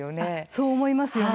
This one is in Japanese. そう思いますよね。